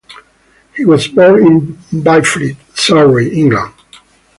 He was born in Byfleet, Surrey, England.